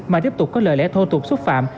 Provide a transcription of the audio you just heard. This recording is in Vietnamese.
mà tiếp tục có lời lẽ thô tục xúc phạm